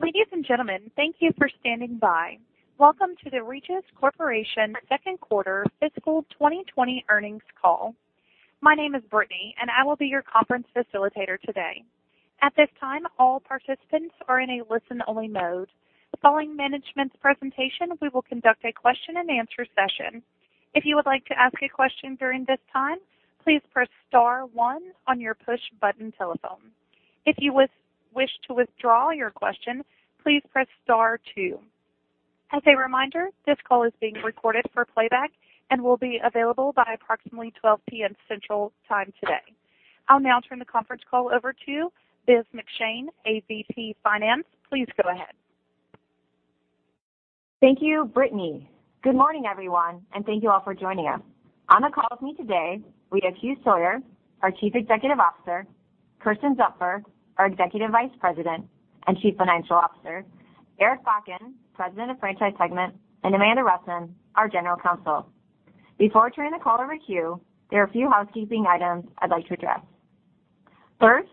Ladies and gentlemen, thank you for standing by. Welcome to the Regis Corporation second quarter fiscal 2020 earnings call. My name is Brittany. I will be your conference facilitator today. At this time, all participants are in a listen-only mode. Following management's presentation, we will conduct a question and answer session. If you would like to ask a question during this time, please press star one on your push button telephone. If you wish to withdraw your question, please press star two. As a reminder, this call is being recorded for playback and will be available by approximately 12:00 P.M. Central Time today. I'll now turn the conference call over to Biz McShane, AVP Finance. Please go ahead. Thank you, Brittany. Good morning, everyone, and thank you all for joining us. On the call with me today, we have Hugh Sawyer, our Chief Executive Officer, Kersten Zupfer, our Executive Vice President and Chief Financial Officer, Eric Bakken, President of Franchise Segment, and Amanda Rusin, our General Counsel. Before turning the call over to Hugh, there are a few housekeeping items I'd like to address. First,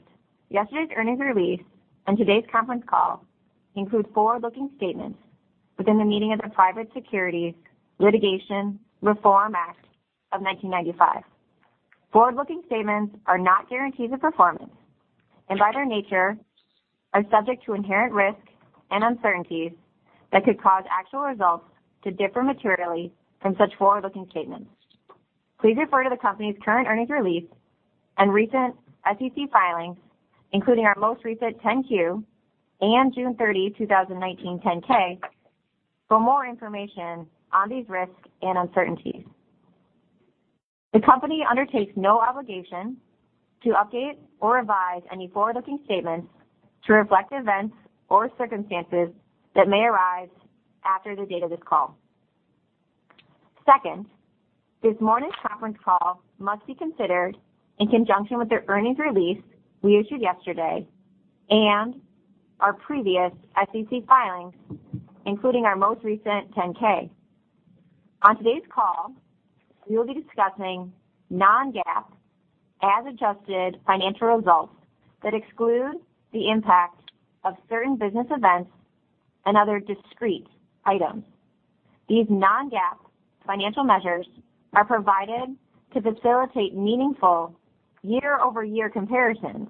yesterday's earnings release and today's conference call include forward-looking statements within the meaning of the Private Securities Litigation Reform Act of 1995. Forward-looking statements are not guarantees of performance and by their nature, are subject to inherent risk and uncertainties that could cause actual results to differ materially from such forward-looking statements. Please refer to the company's current earnings release and recent SEC filings, including our most recent 10-Q and June 30, 2019, 10-K for more information on these risks and uncertainties. The company undertakes no obligation to update or revise any forward-looking statements to reflect events or circumstances that may arise after the date of this call. Second, this morning's conference call must be considered in conjunction with the earnings release we issued yesterday and our previous SEC filings, including our most recent 10-K. On today's call, we will be discussing non-GAAP, as adjusted financial results that exclude the impact of certain business events and other discrete items. These non-GAAP financial measures are provided to facilitate meaningful year-over-year comparisons,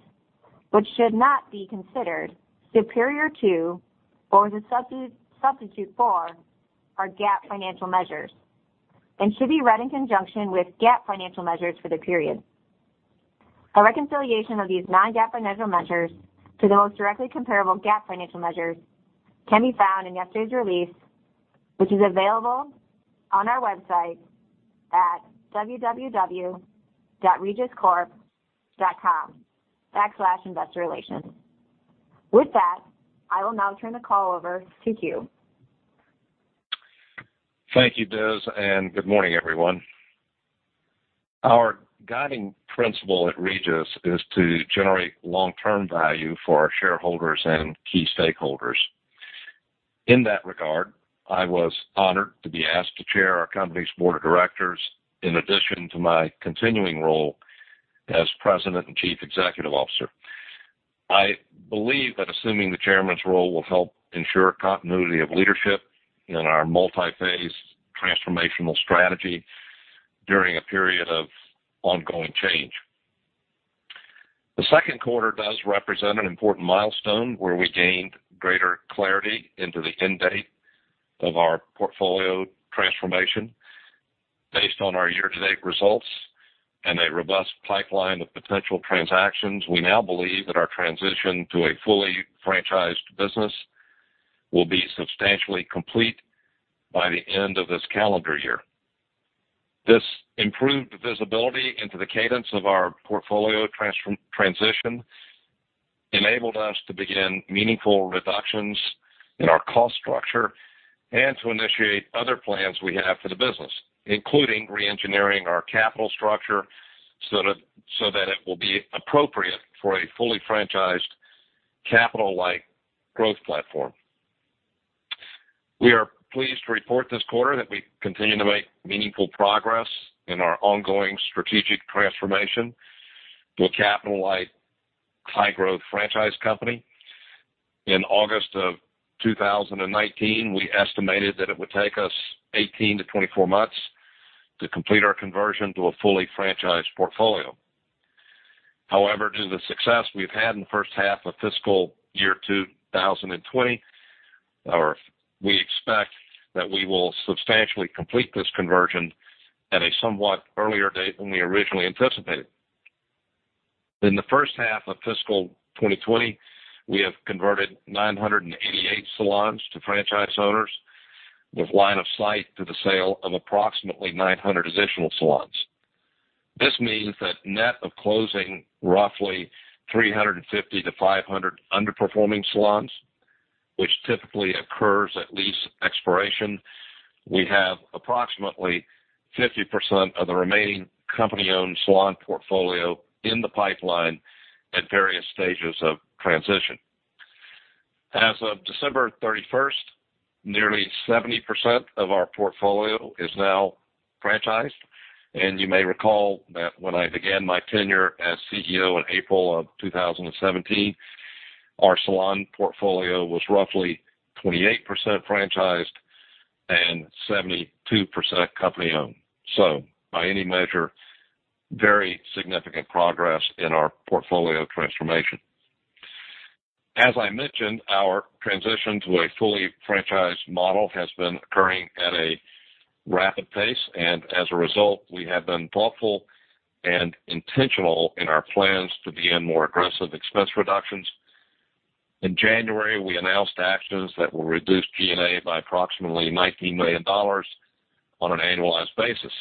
which should not be considered superior to or as a substitute for our GAAP financial measures and should be read in conjunction with GAAP financial measures for the period. A reconciliation of these non-GAAP financial measures to the most directly comparable GAAP financial measures can be found in yesterday's release, which is available on our website at www.regiscorp.com/investorrelations. With that, I will now turn the call over to Hugh. Thank you, Biz, and good morning, everyone. Our guiding principle at Regis is to generate long-term value for our shareholders and key stakeholders. In that regard, I was honored to be asked to chair our company's board of directors in addition to my continuing role as President and Chief Executive Officer. I believe that assuming the chairman's role will help ensure continuity of leadership in our multi-phase transformational strategy during a period of ongoing change. The second quarter does represent an important milestone where we gained greater clarity into the end date of our portfolio transformation. Based on our year-to-date results and a robust pipeline of potential transactions, we now believe that our transition to a fully franchised business will be substantially complete by the end of this calendar year. This improved visibility into the cadence of our portfolio transition enabled us to begin meaningful reductions in our cost structure and to initiate other plans we have for the business, including re-engineering our capital structure so that it will be appropriate for a fully franchised capital-light growth platform. We are pleased to report this quarter that we continue to make meaningful progress in our ongoing strategic transformation to a capital-light, high-growth franchise company. In August of 2019, we estimated that it would take us 18 to 24 months to complete our conversion to a fully franchised portfolio. However, due to the success we've had in the first half of fiscal year 2020, we expect that we will substantially complete this conversion at a somewhat earlier date than we originally anticipated. In the first half of fiscal 2020, we have converted 988 salons to franchise owners with line of sight to the sale of approximately 900 additional salons. This means that net of closing roughly 350-500 underperforming salons, which typically occurs at lease expiration, we have approximately 50% of the remaining company-owned salon portfolio in the pipeline at various stages of transition. As of December 31st, nearly 70% of our portfolio is now franchised. You may recall that when I began my tenure as CEO in April of 2017, our salon portfolio was roughly 28% franchised and 72% company-owned. By any measure, very significant progress in our portfolio transformation. As I mentioned, our transition to a fully franchised model has been occurring at a rapid pace, and as a result, we have been thoughtful and intentional in our plans to begin more aggressive expense reductions. In January, we announced actions that will reduce G&A by approximately $19 million on an annualized basis.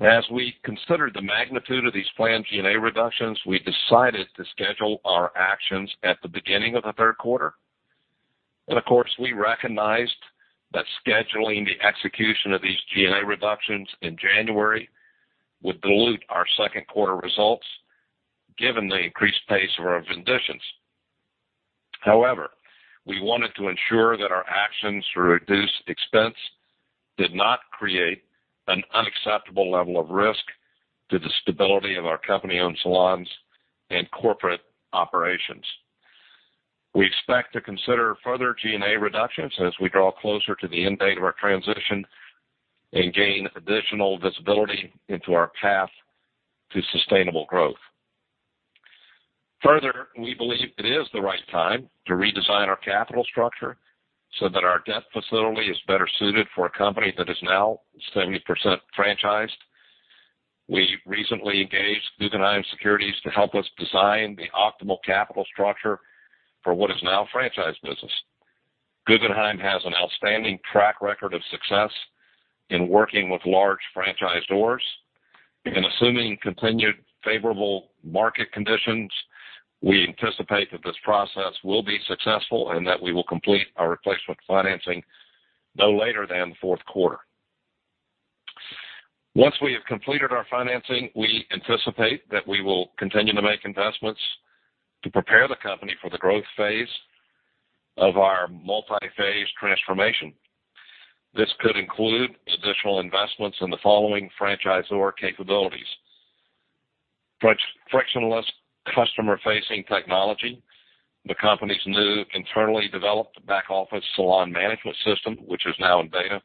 As we considered the magnitude of these planned G&A reductions, we decided to schedule our actions at the beginning of the third quarter. Of course, we recognized that scheduling the execution of these G&A reductions in January would dilute our second quarter results given the increased pace of our vendition. However, we wanted to ensure that our actions to reduce expense did not create an unacceptable level of risk to the stability of our company-owned salons and corporate operations. We expect to consider further G&A reductions as we draw closer to the end date of our transition and gain additional visibility into our path to sustainable growth. Further, we believe it is the right time to redesign our capital structure so that our debt facility is better suited for a company that is now 70% franchised. We recently engaged Guggenheim Securities to help us design the optimal capital structure for what is now franchised business. Guggenheim has an outstanding track record of success in working with large franchisors. In assuming continued favorable market conditions, we anticipate that this process will be successful and that we will complete our replacement financing no later than the fourth quarter. Once we have completed our financing, we anticipate that we will continue to make investments to prepare the company for the growth phase of our multi-phase transformation. This could include additional investments in the following franchisor capabilities. Frictionless customer-facing technology, the company's new internally developed back-office salon management system, which is now in beta,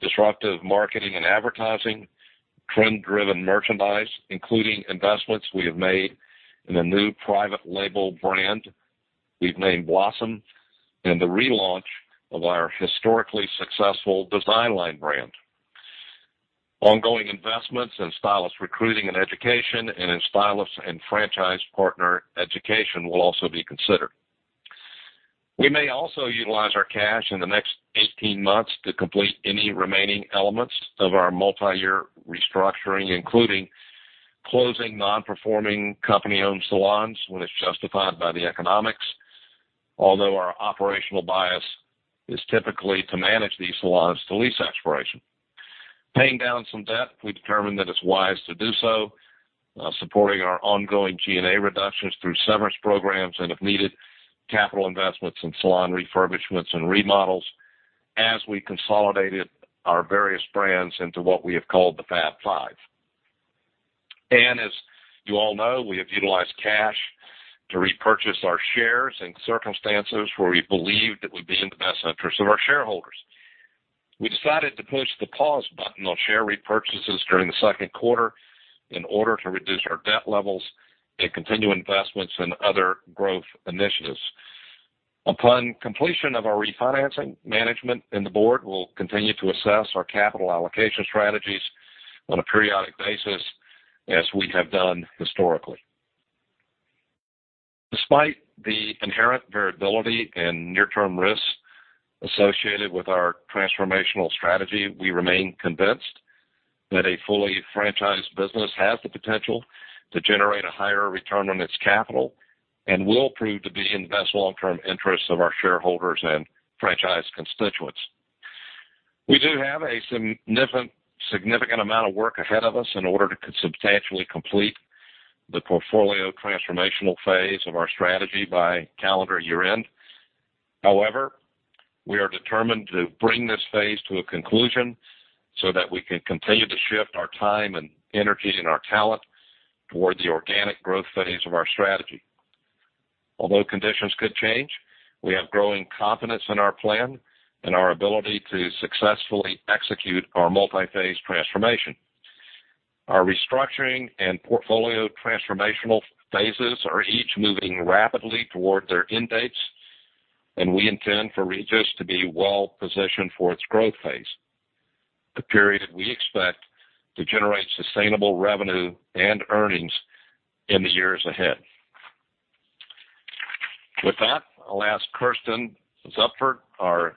disruptive marketing and advertising, trend-driven merchandise, including investments we have made in a new private label brand we've named Blossom, and the relaunch of our historically successful designline brand. Ongoing investments in stylist recruiting and education and in stylist and franchise partner education will also be considered. We may also utilize our cash in the next 18 months to complete any remaining elements of our multi-year restructuring, including closing non-performing company-owned salons when it's justified by the economics. Although our operational bias is typically to manage these salons to lease expiration. Paying down some debt, we've determined that it's wise to do so, supporting our ongoing G&A reductions through severance programs and if needed, capital investments in salon refurbishments and remodels as we consolidated our various brands into what we have called the Fab Five. As you all know, we have utilized cash to repurchase our shares in circumstances where we believed it would be in the best interest of our shareholders. We decided to push the pause button on share repurchases during the second quarter in order to reduce our debt levels and continue investments in other growth initiatives. Upon completion of our refinancing, management and the board will continue to assess our capital allocation strategies on a periodic basis as we have done historically. Despite the inherent variability and near-term risks associated with our transformational strategy, we remain convinced that a fully franchised business has the potential to generate a higher return on its capital and will prove to be in the best long-term interests of our shareholders and franchise constituents. We do have a significant amount of work ahead of us in order to substantially complete the portfolio transformational phase of our strategy by calendar year-end. We are determined to bring this phase to a conclusion so that we can continue to shift our time and energy and our talent towards the organic growth phase of our strategy. Although conditions could change, we have growing confidence in our plan and our ability to successfully execute our multi-phase transformation. Our restructuring and portfolio transformational phases are each moving rapidly toward their end dates, and we intend for Regis to be well-positioned for its growth phase, the period we expect to generate sustainable revenue and earnings in the years ahead. With that, I'll ask Kersten Zupfer, our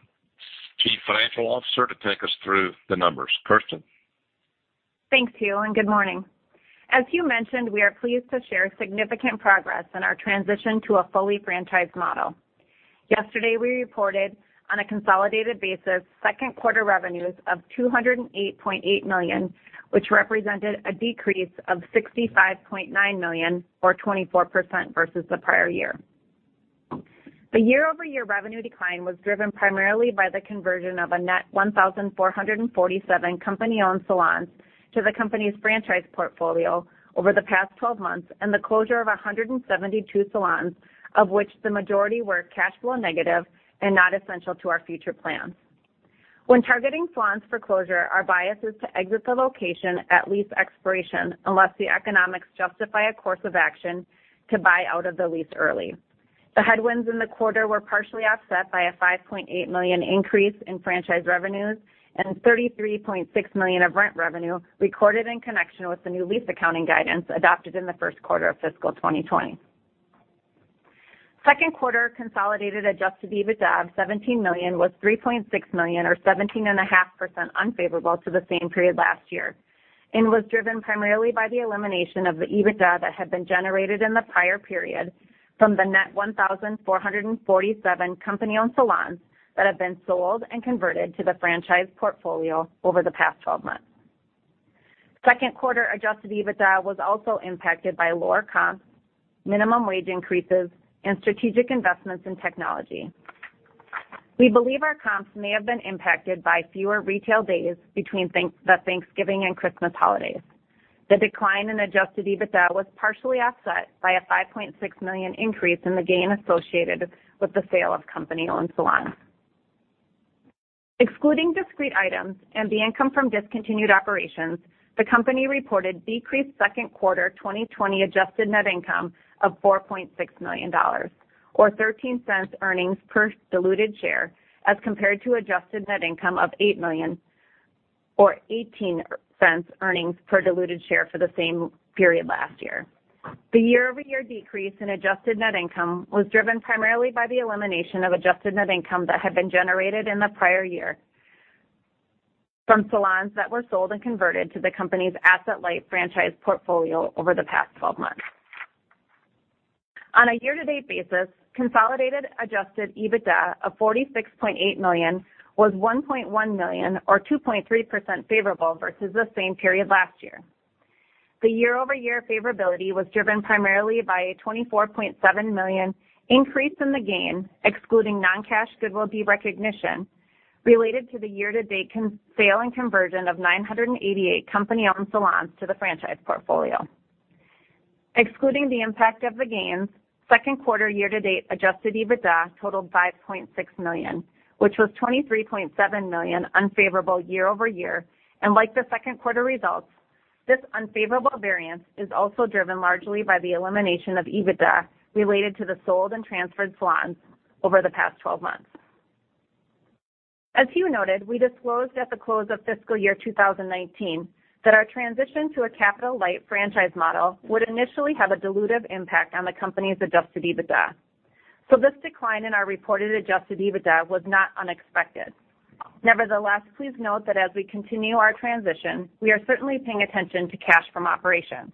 Chief Financial Officer, to take us through the numbers. Kersten? Thanks, Hugh. Good morning. As Hugh mentioned, we are pleased to share significant progress in our transition to a fully franchised model. Yesterday, we reported on a consolidated basis second quarter revenues of $208.8 million, which represented a decrease of $65.9 million or 24% versus the prior year. The year-over-year revenue decline was driven primarily by the conversion of a net 1,447 company-owned salons to the company's franchise portfolio over the past 12 months, and the closure of 172 salons, of which the majority were cash flow negative and not essential to our future plans. When targeting salons for closure, our bias is to exit the location at lease expiration, unless the economics justify a course of action to buy out of the lease early. The headwinds in the quarter were partially offset by a $5.8 million increase in franchise revenues and $33.6 million of rent revenue recorded in connection with the new lease accounting guidance adopted in the first quarter of fiscal 2020. Second quarter consolidated adjusted EBITDA of $17 million was $3.6 million, or 17.5% unfavorable to the same period last year, and was driven primarily by the elimination of the EBITDA that had been generated in the prior period from the net 1,447 company-owned salons that have been sold and converted to the franchise portfolio over the past 12 months. Second quarter adjusted EBITDA was also impacted by lower comps, minimum wage increases, and strategic investments in technology. We believe our comps may have been impacted by fewer retail days between the Thanksgiving and Christmas holidays. The decline in adjusted EBITDA was partially offset by a $5.6 million increase in the gain associated with the sale of company-owned salons. Excluding discrete items and the income from discontinued operations, the company reported decreased second quarter 2020 adjusted net income of $4.6 million, or $0.13 earnings per diluted share, as compared to adjusted net income of $8 million or $0.18 earnings per diluted share for the same period last year. The year-over-year decrease in adjusted net income was driven primarily by the elimination of adjusted net income that had been generated in the prior year from salons that were sold and converted to the company's asset-light franchise portfolio over the past 12 months. On a year-to-date basis, consolidated adjusted EBITDA of $46.8 million was $1.1 million, or 2.3% favorable versus the same period last year. The year-over-year favorability was driven primarily by a $24.7 million increase in the gain, excluding non-cash goodwill derecognition, related to the year-to-date sale and conversion of 988 company-owned salons to the franchise portfolio. Excluding the impact of the gains, second quarter year-to-date adjusted EBITDA totaled $5.6 million, which was $23.7 million unfavorable year-over-year, and like the second quarter results, this unfavorable variance is also driven largely by the elimination of EBITDA related to the sold and transferred salons over the past 12 months. As Hugh noted, we disclosed at the close of fiscal year 2019 that our transition to a capital light franchise model would initially have a dilutive impact on the company's adjusted EBITDA. This decline in our reported adjusted EBITDA was not unexpected. Nevertheless, please note that as we continue our transition, we are certainly paying attention to cash from operations.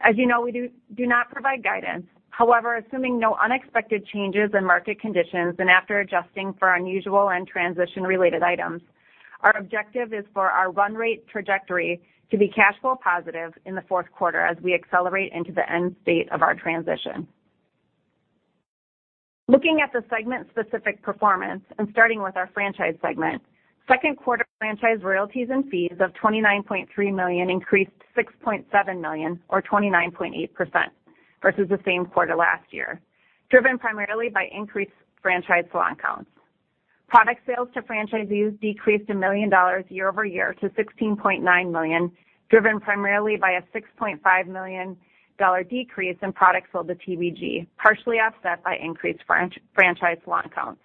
As you know, we do not provide guidance. However, assuming no unexpected changes in market conditions and after adjusting for unusual and transition-related items, our objective is for our run rate trajectory to be cash flow positive in the fourth quarter as we accelerate into the end state of our transition. Looking at the segment specific performance and starting with our franchise segment, second quarter franchise royalties and fees of $29.3 million increased $6.7 million or 29.8% versus the same quarter last year, driven primarily by increased franchise salon counts. Product sales to franchisees decreased $1 million year-over-year to $16.9 million, driven primarily by a $6.5 million decrease in products sold to TBG, partially offset by increased franchise salon counts.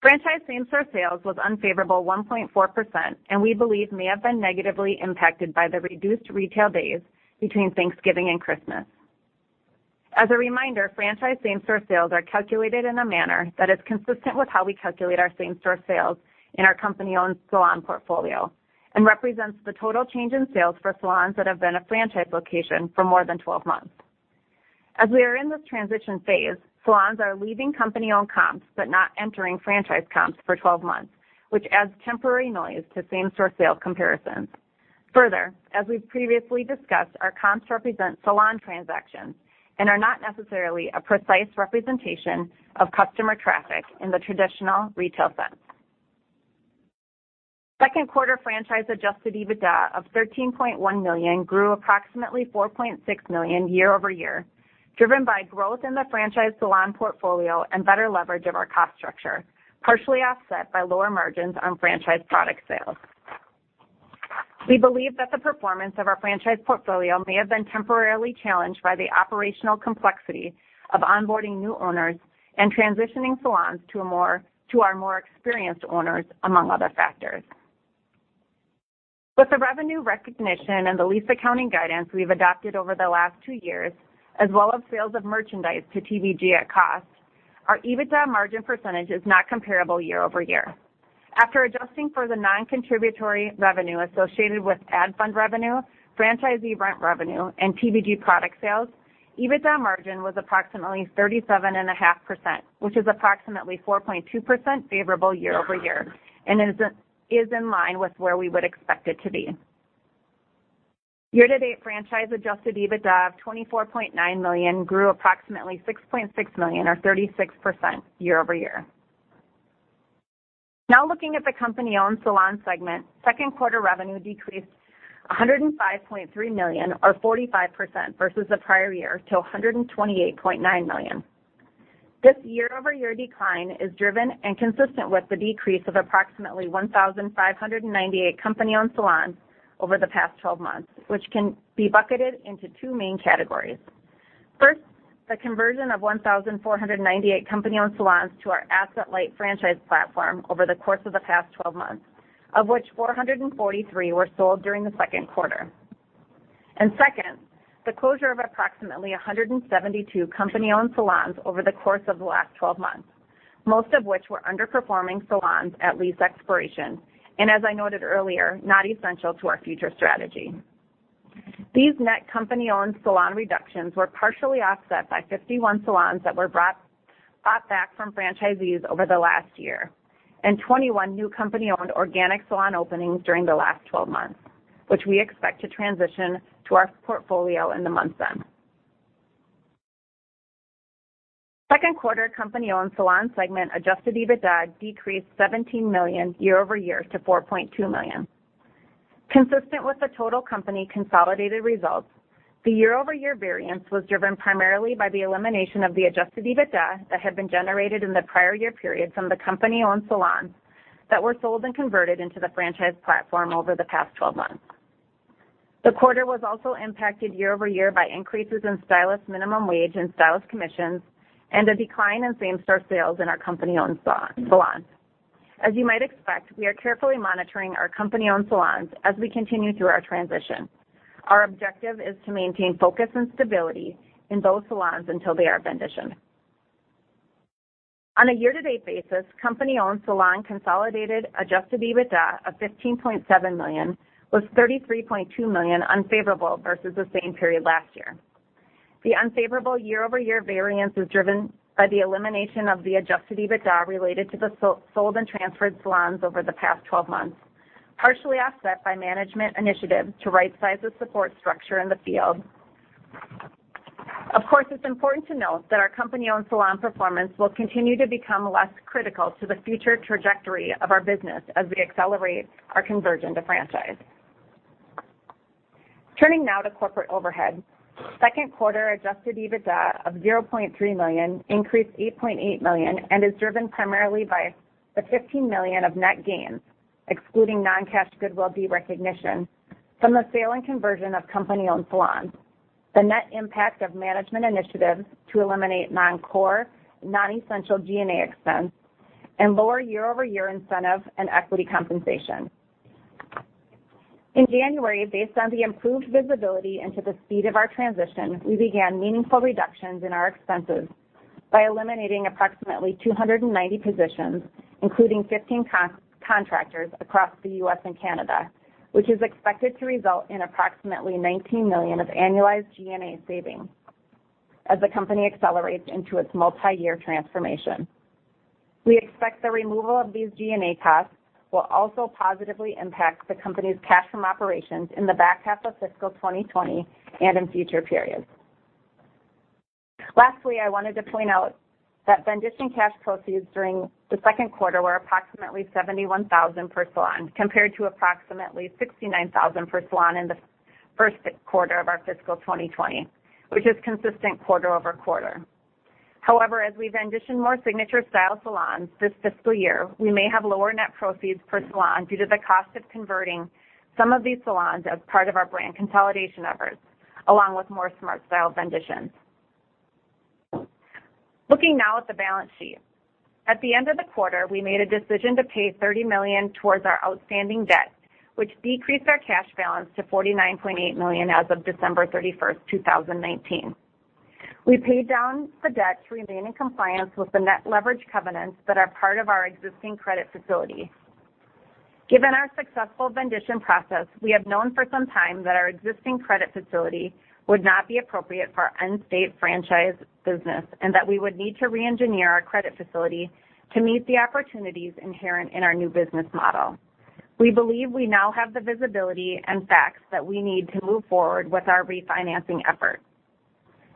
Franchise same-store sales was unfavorable 1.4%, and we believe may have been negatively impacted by the reduced retail days between Thanksgiving and Christmas. As a reminder, franchise same-store sales are calculated in a manner that is consistent with how we calculate our same-store sales in our company-owned salon portfolio and represents the total change in sales for salons that have been a franchise location for more than 12 months. As we are in this transition phase, salons are leaving company-owned comps but not entering franchise comps for 12 months, which adds temporary noise to same-store sales comparisons. As we've previously discussed, our comps represent salon transactions and are not necessarily a precise representation of customer traffic in the traditional retail sense. Second quarter franchise adjusted EBITDA of $13.1 million grew approximately $4.6 million year-over-year, driven by growth in the franchise salon portfolio and better leverage of our cost structure, partially offset by lower margins on franchise product sales. We believe that the performance of our franchise portfolio may have been temporarily challenged by the operational complexity of onboarding new owners and transitioning salons to our more experienced owners, among other factors. With the revenue recognition and the lease accounting guidance we've adopted over the last two years, as well as sales of merchandise to TBG at cost, our EBITDA margin percentage is not comparable year-over-year. After adjusting for the non-contributory revenue associated with ad fund revenue, franchisee rent revenue, and TBG product sales, EBITDA margin was approximately 37.5%, which is approximately 4.2% favorable year-over-year and is in line with where we would expect it to be. Year-to-date franchise adjusted EBITDA of $24.9 million grew approximately $6.6 million or 36% year-over-year. Looking at the company-owned salon segment, second quarter revenue decreased $105.3 million or 45% versus the prior year to $128.9 million. This year-over-year decline is driven and consistent with the decrease of approximately 1,598 company-owned salons over the past 12 months, which can be bucketed into two main categories. First, the conversion of 1,498 company-owned salons to our asset-light franchise platform over the course of the past 12 months, of which 443 were sold during the second quarter. Second, the closure of approximately 172 company-owned salons over the course of the last 12 months, most of which were underperforming salons at lease expiration, and as I noted earlier, not essential to our future strategy. These net company-owned salon reductions were partially offset by 51 salons that were bought back from franchisees over the last year, and 21 new company-owned organic salon openings during the last 12 months, which we expect to transition to our portfolio in the months end. Second quarter company-owned salon segment adjusted EBITDA decreased $17 million year-over-year to $4.2 million. Consistent with the total company consolidated results, the year-over-year variance was driven primarily by the elimination of the adjusted EBITDA that had been generated in the prior year period from the company-owned salons that were sold and converted into the franchise platform over the past 12 months. The quarter was also impacted year-over-year by increases in stylist minimum wage and stylist commissions, and a decline in same store sales in our company-owned salons. As you might expect, we are carefully monitoring our company-owned salons as we continue through our transition. Our objective is to maintain focus and stability in those salons until they are venditioned. On a year-to-date basis, company-owned salon consolidated adjusted EBITDA of $15.7 million was $33.2 million unfavorable versus the same period last year. The unfavorable year-over-year variance was driven by the elimination of the adjusted EBITDA related to the sold and transferred salons over the past 12 months, partially offset by management initiatives to right size the support structure in the field. Of course, it's important to note that our company-owned salon performance will continue to become less critical to the future trajectory of our business as we accelerate our conversion to franchise. Turning now to corporate overhead. Second quarter adjusted EBITDA of $0.3 million increased $8.8 million and is driven primarily by the $15 million of net gains, excluding non-cash goodwill derecognition from the sale and conversion of company-owned salons, the net impact of management initiatives to eliminate non-core, non-essential G&A expense, and lower year-over-year incentive and equity compensation. In January, based on the improved visibility into the speed of our transition, we began meaningful reductions in our expenses by eliminating approximately 290 positions, including 15 contractors across the U.S. and Canada, which is expected to result in approximately $19 million of annualized G&A savings as the company accelerates into its multi-year transformation. We expect the removal of these G&A costs will also positively impact the company's cash from operations in the back half of fiscal 2020 and in future periods. Lastly, I wanted to point out that vendition cash proceeds during the second quarter were approximately $71,000 per salon, compared to approximately $69,000 per salon in the first quarter of our fiscal 2020, which is consistent quarter-over-quarter. However, as we vendition more Signature Style salons this fiscal year, we may have lower net proceeds per salon due to the cost of converting some of these salons as part of our brand consolidation efforts, along with more SmartStyle venditions. Looking now at the balance sheet. At the end of the quarter, we made a decision to pay $30 million towards our outstanding debt, which decreased our cash balance to $49.8 million as of December 31st, 2019. We paid down the debt to remain in compliance with the net leverage covenants that are part of our existing credit facility. Given our successful vendition process, we have known for some time that our existing credit facility would not be appropriate for our end-state franchise business, and that we would need to re-engineer our credit facility to meet the opportunities inherent in our new business model. We believe we now have the visibility and facts that we need to move forward with our refinancing efforts.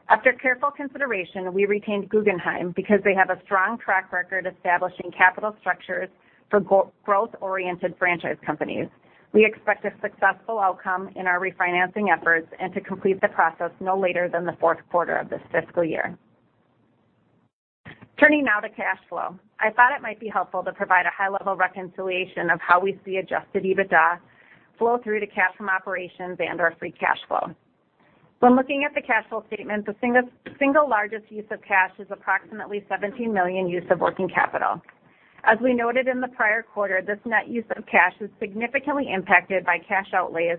After careful consideration, we retained Guggenheim because they have a strong track record establishing capital structures for growth-oriented franchise companies. We expect a successful outcome in our refinancing efforts and to complete the process no later than the fourth quarter of this fiscal year. Turning now to cash flow. I thought it might be helpful to provide a high level reconciliation of how we see adjusted EBITDA flow through to cash from operations and/or free cash flow. When looking at the cash flow statement, the single largest use of cash is approximately $17 million use of working capital. As we noted in the prior quarter, this net use of cash is significantly impacted by cash outlays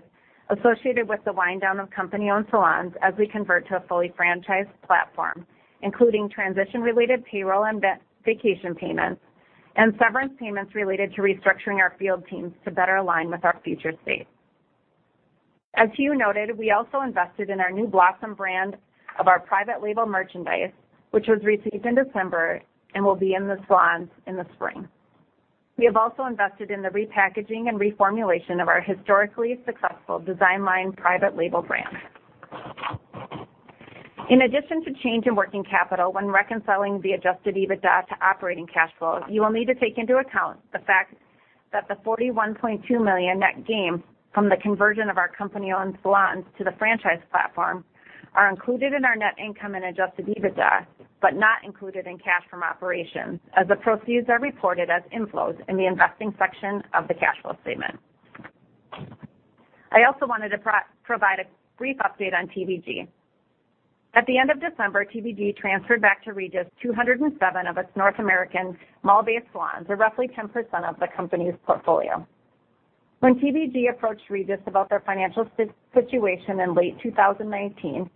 associated with the wind down of company-owned salons as we convert to a fully franchised platform, including transition related payroll and vacation payments, and severance payments related to restructuring our field teams to better align with our future state. As Hugh noted, we also invested in our new Blossom brand of our private label merchandise, which was received in December and will be in the salons in the spring. We have also invested in the repackaging and reformulation of our historically successful designline private label brand. In addition to change in working capital, when reconciling the adjusted EBITDA to operating cash flow, you will need to take into account the fact that the $41.2 million net gain from the conversion of our company-owned salons to the franchise platform are included in our net income and adjusted EBITDA, but not included in cash from operations, as the proceeds are reported as inflows in the investing section of the cash flow statement. I also wanted to provide a brief update on TBG. At the end of December, TBG transferred back to Regis 207 of its North American mall-based salons, or roughly 10% of the company's portfolio. When TBG approached Regis about their financial situation in late 2019,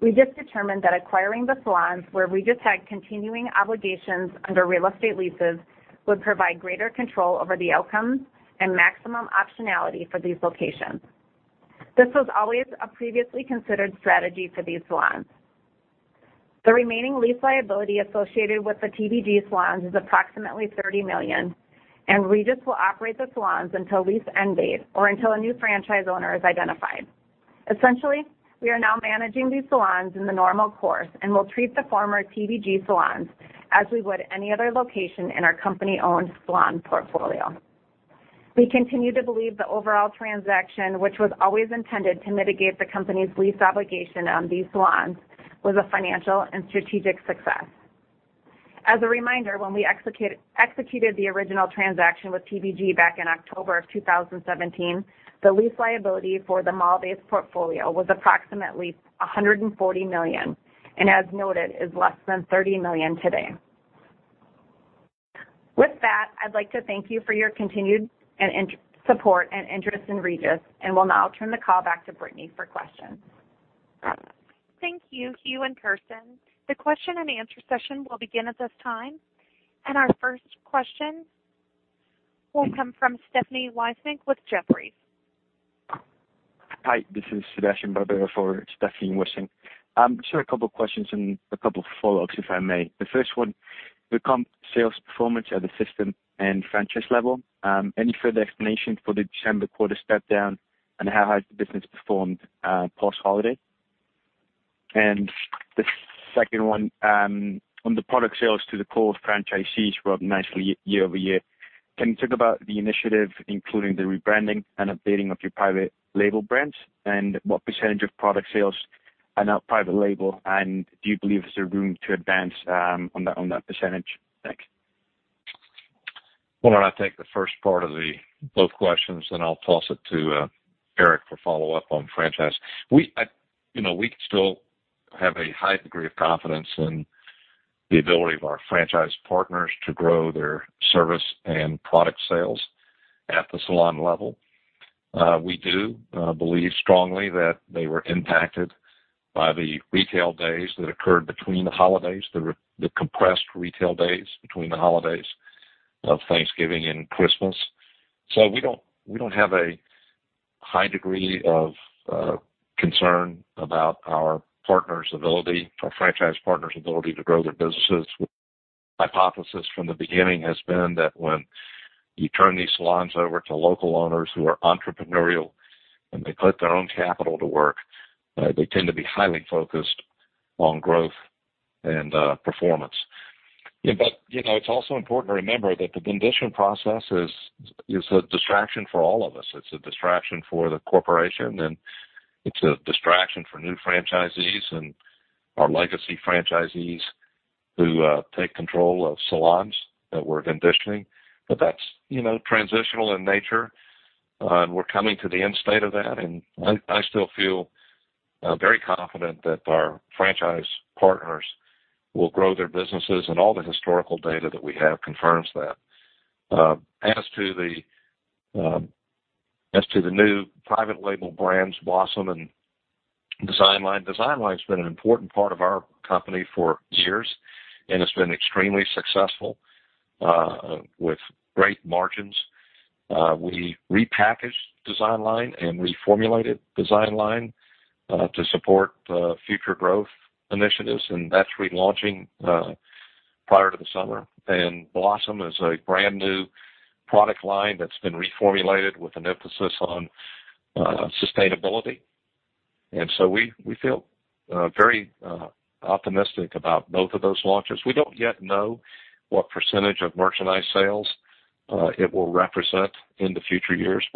Regis determined that acquiring the salons where Regis had continuing obligations under real estate leases would provide greater control over the outcomes and maximum optionality for these locations. This was always a previously considered strategy for these salons. The remaining lease liability associated with the TBG salons is approximately $30 million, and Regis will operate the salons until lease end date or until a new franchise owner is identified. Essentially, we are now managing these salons in the normal course and will treat the former TBG salons as we would any other location in our company-owned salon portfolio. We continue to believe the overall transaction, which was always intended to mitigate the company's lease obligation on these salons, was a financial and strategic success. As a reminder, when we executed the original transaction with TBG back in October of 2017, the lease liability for the mall-based portfolio was approximately $140 million, and as noted, is less than $30 million today. With that, I'd like to thank you for your continued support and interest in Regis, and will now turn the call back to Brittany for questions. Thank you, Hugh and Kersten. The question and answer session will begin at this time. Our first question will come from Stephanie Wissink with Jefferies. Hi, this is Sebastian Barbero for Stephanie Wissink. Just a couple questions and a couple follow-ups, if I may. The first one, the comp sales performance at the system and franchise level. Any further explanation for the December quarter step-down, and how has the business performed post-holiday? The second one, on the product sales to the core franchisees grew up nicely year-over-year. Can you talk about the initiative, including the rebranding and updating of your private label brands, and what percentage of product sales are now private label, and do you believe there's room to advance on that percentage? Thanks. Why don't I take the first part of both questions, then I'll toss it to Eric for follow-up on franchise. We still have a high degree of confidence in the ability of our franchise partners to grow their service and product sales at the salon level. We do believe strongly that they were impacted by the retail days that occurred between the holidays, the compressed retail days between the holidays of Thanksgiving and Christmas. We don't have a high degree of concern about our franchise partners' ability to grow their businesses. Hypothesis from the beginning has been that when you turn these salons over to local owners who are entrepreneurial and they put their own capital to work, they tend to be highly focused on growth and performance. It's also important to remember that the conditioning process is a distraction for all of us. It's a distraction for the corporation, and it's a distraction for new franchisees and our legacy franchisees who take control of salons that we're conditioning. That's transitional in nature, and we're coming to the end state of that, and I still feel very confident that our franchise partners will grow their businesses, and all the historical data that we have confirms that. As to the new private label brands, Blossom and designline's been an important part of our company for years and has been extremely successful with great margins. We repackaged designline and reformulated designline to support future growth initiatives, that's relaunching prior to the summer. Blossom is a brand-new product line that's been reformulated with an emphasis on sustainability. We feel very optimistic about both of those launches. We don't yet know what percentage of merchandise sales it will represent in the future years.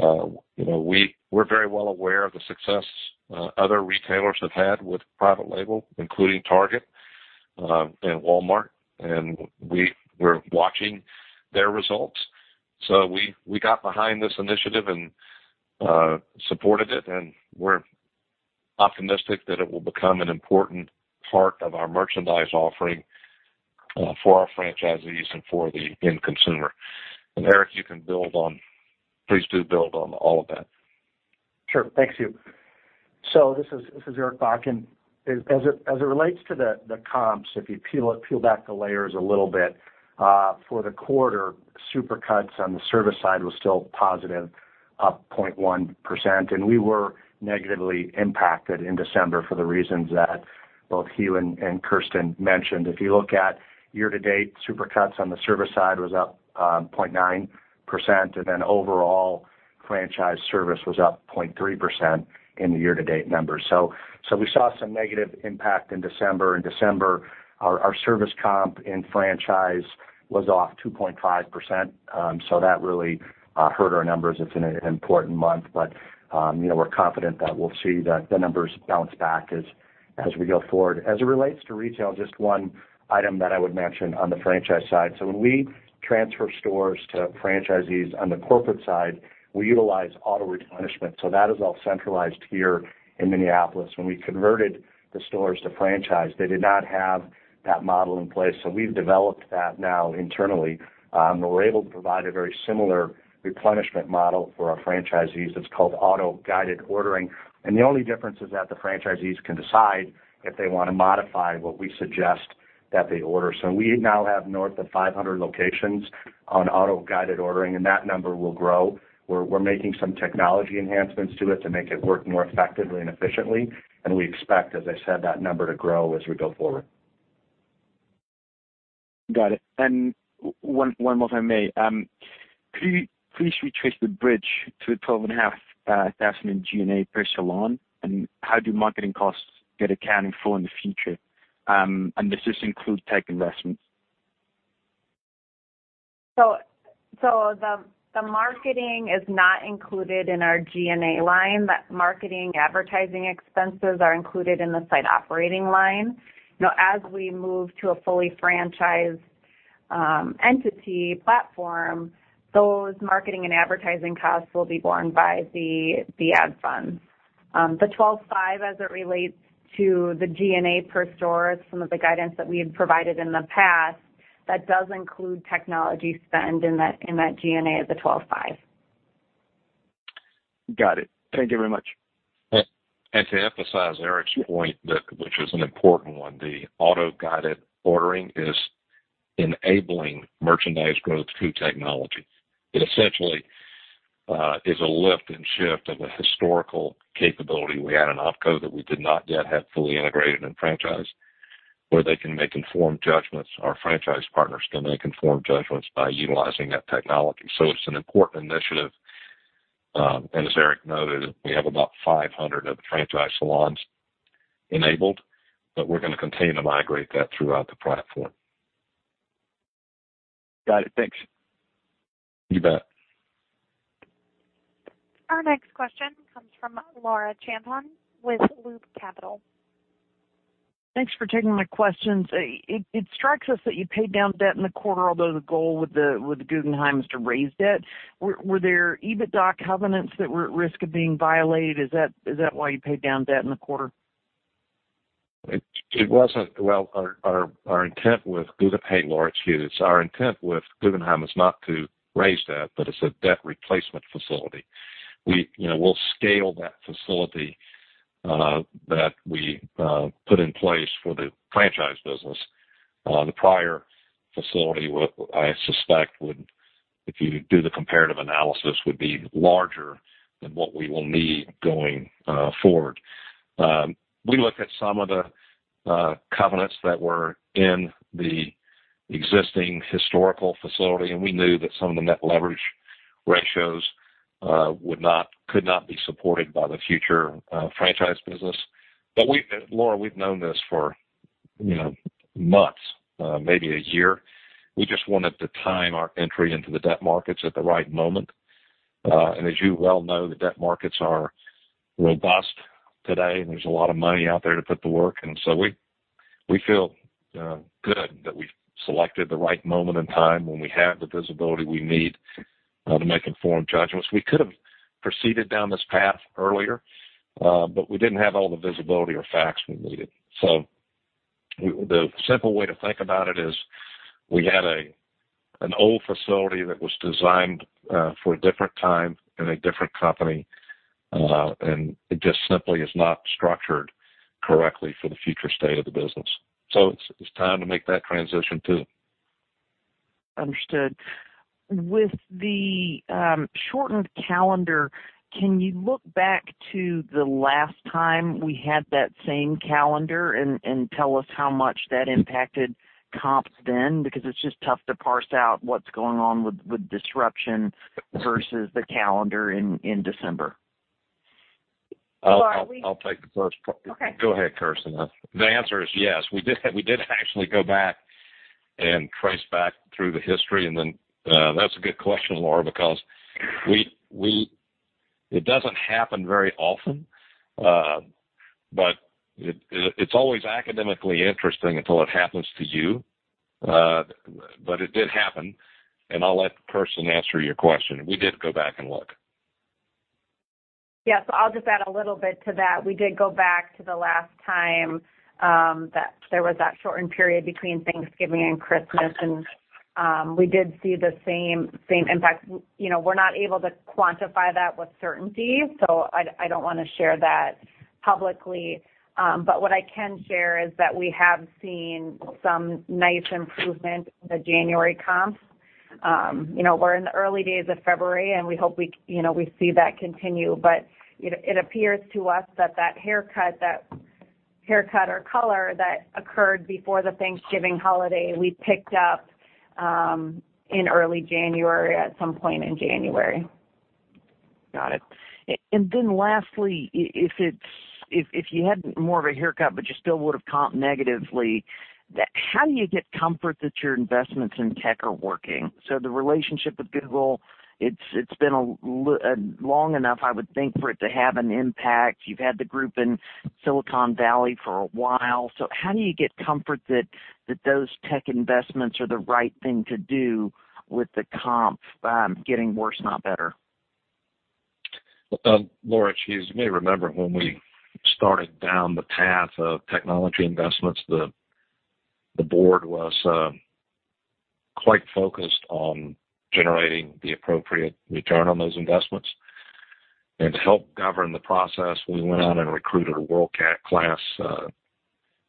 We're very well aware of the success other retailers have had with private label, including Target and Walmart, and we're watching their results. We got behind this initiative and supported it, and we're optimistic that it will become an important part of our merchandise offering for our franchisees and for the end consumer. Eric, please do build on all of that. Sure. Thanks, Hugh. This is Eric Bakken. As it relates to the comps, if you peel back the layers a little bit, for the quarter, Supercuts on the service side was still positive. Up 0.1%, we were negatively impacted in December for the reasons that both Hugh and Kersten mentioned. If you look at year-to-date, Supercuts on the service side was up 0.9%, and then overall franchise service was up 0.3% in the year-to-date numbers. We saw some negative impact in December. In December, our service comp in franchise was off 2.5%, so that really hurt our numbers. It's an important month, but we're confident that we'll see the numbers bounce back as we go forward. As it relates to retail, just one item that I would mention on the franchise side. When we transfer stores to franchisees on the corporate side, we utilize auto guided ordering. That is all centralized here in Minneapolis. When we converted the stores to franchise, they did not have that model in place, so we've developed that now internally. We're able to provide a very similar replenishment model for our franchisees that's called auto guided ordering. The only difference is that the franchisees can decide if they want to modify what we suggest that they order. We now have north of 500 locations on auto guided ordering, and that number will grow. We're making some technology enhancements to it to make it work more effectively and efficiently. We expect, as I said, that number to grow as we go forward. Got it. One more, if I may. Could you please retrace the bridge to the $12.5 thousand in G&A per salon, and how do marketing costs get accounted for in the future? Does this include tech investments? The marketing is not included in our G&A line. That marketing advertising expenses are included in the site operating line. As we move to a fully franchised entity platform, those marketing and advertising costs will be borne by the ad funds. The $12.5 as it relates to the G&A per store is some of the guidance that we had provided in the past that does include technology spend in that G&A of the $12.5. Got it. Thank you very much. To emphasize Eric's point, which is an important one, the auto guided ordering is enabling merchandise growth through technology. It essentially is a lift and shift of a historical capability we had in OpCo that we did not yet have fully integrated and franchised, where they can make informed judgments. Our franchise partners can make informed judgments by utilizing that technology. It's an important initiative. As Eric noted, we have about 500 of the franchise salons enabled, but we're going to continue to migrate that throughout the platform. Got it. Thanks. You bet. Our next question comes from Laura Champine with Loop Capital. Thanks for taking my questions. It strikes us that you paid down debt in the quarter, although the goal with the Guggenheim is to raise debt. Were there EBITDA covenants that were at risk of being violated? Is that why you paid down debt in the quarter? It wasn't. Well, Hey, Laura. It's Hugh. It's our intent with Guggenheim is not to raise debt, but it's a debt replacement facility. The prior facility, I suspect, if you do the comparative analysis, would be larger than what we will need going forward. We looked at some of the covenants that were in the existing historical facility, and we knew that some of the net leverage ratios could not be supported by the future franchise business. Laura, we've known this for months, maybe a year. We just wanted to time our entry into the debt markets at the right moment. As you well know, the debt markets are robust today, and there's a lot of money out there to put to work. We feel good that we selected the right moment in time when we have the visibility we need to make informed judgments. We could have proceeded down this path earlier, but we didn't have all the visibility or facts we needed. The simple way to think about it is we had an old facility that was designed for a different time and a different company, and it just simply is not structured correctly for the future state of the business. It's time to make that transition, too. Understood. With the shortened calendar, can you look back to the last time we had that same calendar and tell us how much that impacted comps then? It's just tough to parse out what's going on with disruption versus the calendar in December. Laura. I'll take the first part. Okay. Go ahead, Kersten. The answer is yes. We did actually go back and trace back through the history. That's a good question, Laura, because it doesn't happen very often. It's always academically interesting until it happens to you. It did happen, and I'll let Kersten answer your question. We did go back and look. Yes. I'll just add a little bit to that. We did go back to the last time that there was that shortened period between Thanksgiving and Christmas, and we did see the same impact. We're not able to quantify that with certainty, so I don't want to share that publicly. What I can share is that we have seen some nice improvement in the January comps. We're in the early days of February, and we hope we see that continue. It appears to us that that haircut or color that occurred before the Thanksgiving holiday, we picked up in early January, at some point in January. Got it. Lastly, if you had more of a haircut, but you still would've comped negatively, how do you get comfort that your investments in tech are working? The relationship with Google, it's been long enough, I would think, for it to have an impact. You've had the group in Silicon Valley for a while. How do you get comfort that those tech investments are the right thing to do with the comp getting worse, not better? Laura, she may remember when we started down the path of technology investments, the board was quite focused on generating the appropriate return on those investments. To help govern the process, we went out and recruited a world-class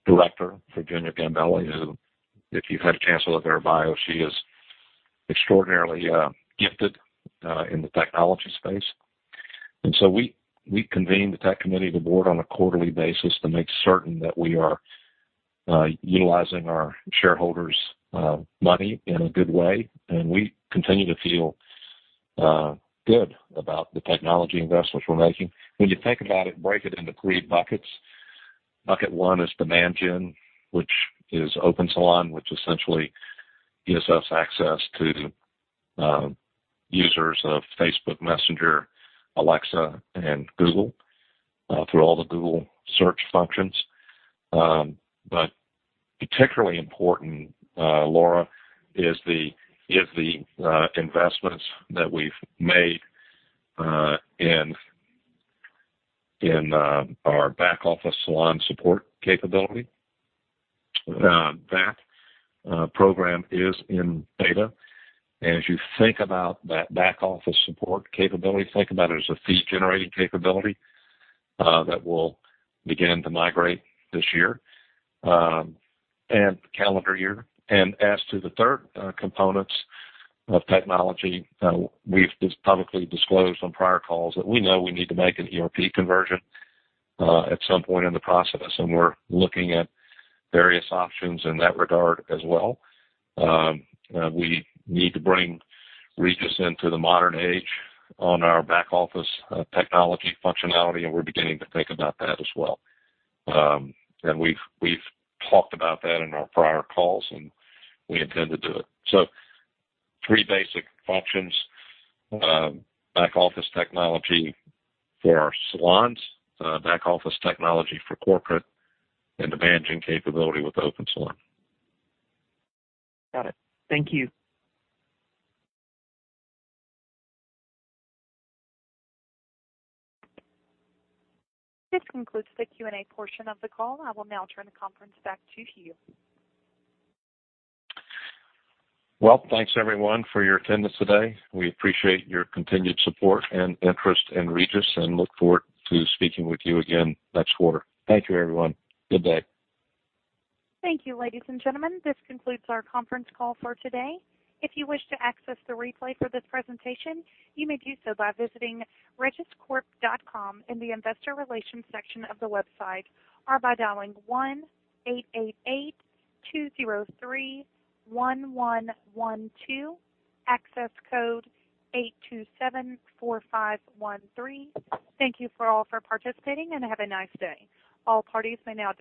director, Virginia Gambale, who, if you've had a chance to look at her bio, she is extraordinarily gifted in the technology space. We convened the Tech Committee of the board on a quarterly basis to make certain that we are utilizing our shareholders' money in a good way. We continue to feel good about the technology investments we're making. When you think about it, break it into three buckets. Bucket 1 is the ManGen, which is Opensalon Pro, which essentially gives us access to users of Facebook Messenger, Alexa, and Google through all the Google Search functions. Particularly important, Laura, is the investments that we've made in our back office salon support capability. That program is in beta. As you think about that back office support capability, think about it as a fee-generating capability that will begin to migrate this year, calendar year. As to the third components of technology, we've publicly disclosed on prior calls that we know we need to make an ERP conversion at some point in the process, and we're looking at various options in that regard as well. We need to bring Regis into the modern age on our back office technology functionality, and we're beginning to think about that as well. We've talked about that in our prior calls, and we intend to do it. Three basic functions, back office technology for our salons, back office technology for corporate, and the ManGen capability with Opensalon Pro. Got it. Thank you. This concludes the Q&A portion of the call. I will now turn the conference back to Hugh. Well, thanks everyone for your attendance today. We appreciate your continued support and interest in Regis and look forward to speaking with you again next quarter. Thank you, everyone. Good day. Thank you, ladies and gentlemen. This concludes our conference call for today. If you wish to access the replay for this presentation, you may do so by visiting regiscorp.com in the investor relations section of the website or by dialing 1-888-203-1112, access code 8274513. Thank you all for participating, and have a nice day. All parties may now disconnect.